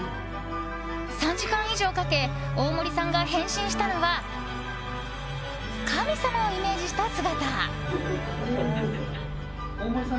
３時間以上かけ大森さんが変身したのは神様をイメージした姿。